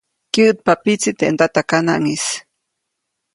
Kyäʼtpa pitsi teʼ ndatakanaʼŋʼis.